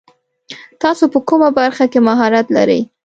تاسو په کومه برخه کې مهارت لري ؟